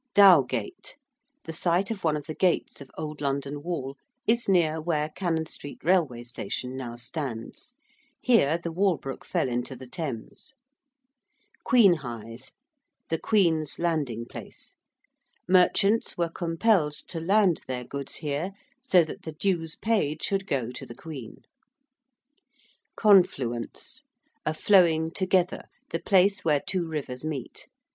~Dowgate~: the site of one of the gates of Old London Wall is near where Cannon Street Railway Station now stands: here the Walbrook fell into the Thames. ~Queen Hithe~: 'The Queen's Landing Place.' Merchants were compelled to land their goods here so that the dues paid should go to the Queen. ~confluence~: a flowing together, the place where two rivers meet.